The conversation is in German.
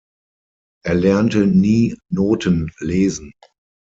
Er lernte nie Noten lesen.